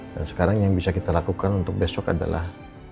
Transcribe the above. dan sekarang yang bisa kita lakukan untuk besok adalah